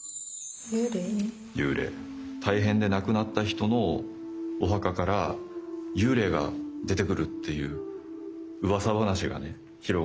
大変で亡くなった人のお墓から幽霊が出てくるっていううわさ話がね広がってね